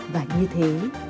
và như thế